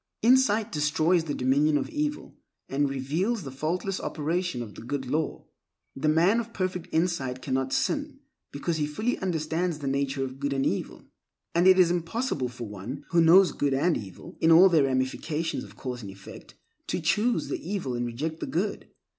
Insight destroys the dominion of evil and reveals the faultless operation of the Good Law. The man of perfect insight cannot sin, because he fully understands the nature of good and evil. And it is impossible for one who knows good and evil, in all their ramifications of cause and effect, to choose the evil and reject the good.